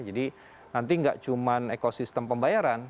jadi nanti tidak cuma ekosistem pembayaran